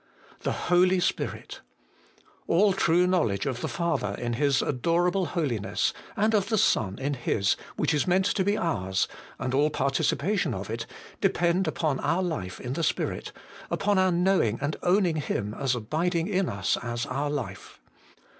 The Holy Spirit. All true knowledge of the Father in His adorable Holiness, and of the Son in His, which is meant to be ours, and all participation of it, depend upon our life in the Spirit, upon our knowing and owning Him as abiding in us as our Life.